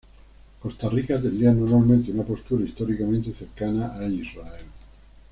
Costa Rica tendría normalmente una postura históricamente cercana a Israel.